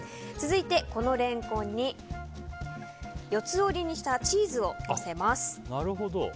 続いて、このレンコンに四つ折りにしたチーズをのせます。